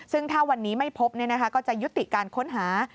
ซึ่งถ้าวันนี้ไม่พบเนี่ยนะคะก็จะยุติการค้นหา